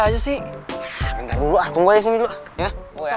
akhirnya zitur dan terjun ya